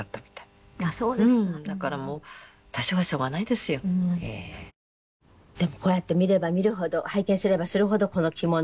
だからもう多少はしょうがないですよ。でもこうやって見れば見るほど拝見すればするほどこの着物のこの。